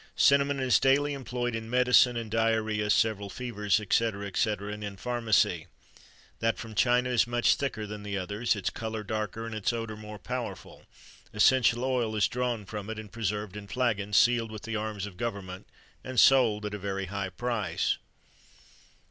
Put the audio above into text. Cinnamon is daily employed in medicine, in diarrhœa, several fevers, &c., &c., and in pharmacy. That from China is much thicker than the others, its colour darker, and its odour more powerful; essential oil is drawn from it, and preserved in flagons, sealed with the arms of government, and sold at a very high price.